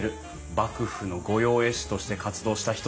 幕府の御用絵師として活動した人たちでしょ。